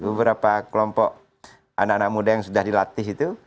beberapa kelompok anak anak muda yang sudah dilatih itu